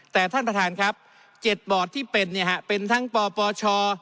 แต่ท่านประธานครับ๗บอร์ดที่เป็นเนี่ยครับเป็นทั้งปปช